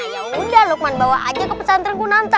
ya udah lukman bawa aja ke pesantrenku nanti